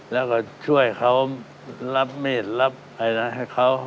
แล้วก็ช่วยเขารับเมตรรับไข่น้ำให้เขา